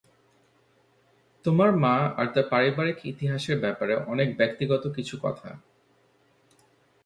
তোমার মা আর তার পারিবারিক ইতিহাসের ব্যাপারে অনেক ব্যক্তিগত কিছু কথা।